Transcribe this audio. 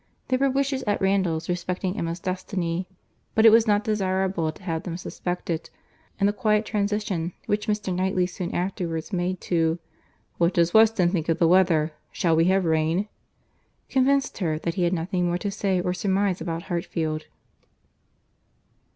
There were wishes at Randalls respecting Emma's destiny, but it was not desirable to have them suspected; and the quiet transition which Mr. Knightley soon afterwards made to "What does Weston think of the weather; shall we have rain?" convinced her that he had nothing more to say or surmise about Hartfield.